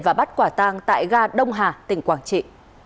và bắt quả tang tại ga đông hà tỉnh quảng trị